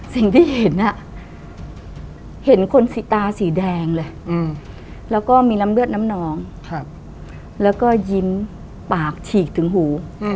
สิ่งที่เห็นเห็นคนสีตาสีแดงเลยแล้วก็มีน้ำเลือดน้ำนองแล้วก็ยิ้มปากฉีกถึงหู